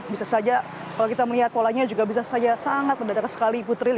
bisa saja kalau kita melihat polanya juga bisa saja sangat mendadak sekali putri